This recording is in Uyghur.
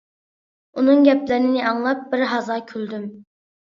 ئۇنىڭ گەپلىرىنى ئاڭلاپ بىر ھازا كۈلدۈم.